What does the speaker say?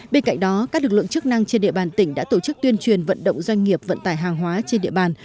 bên cạnh đó các lực lượng chức năng trên địa bàn tỉnh đã tổ chức tuyên truyền vận động doanh nghiệp vận tải hàng hóa trên địa bàn